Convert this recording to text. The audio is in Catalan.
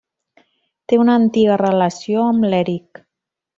Té una antiga relació amb l'Eric.